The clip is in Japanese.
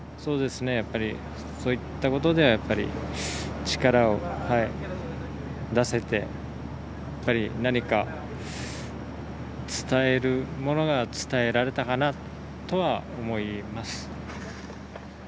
そういったことで力を出せて何か、伝えるものが伝えられたかなとは思います。